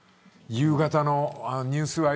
夕方のニュース